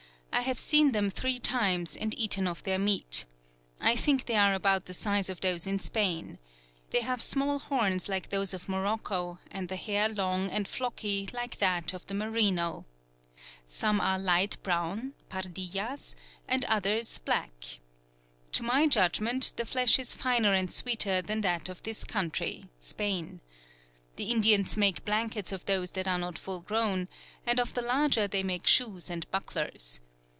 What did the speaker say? I have seen them three times, and eaten of their meat. I think they are about the size of those in Spain. They have small horns like those of Morocco, and the hair long and flocky, like that of the merino. Some are light brown (pardillas) and others black. To my judgment the flesh is finer and sweeter than that of this country [Spain]. The Indians make blankets of those that are not full grown, and of the larger they make shoes and bucklers.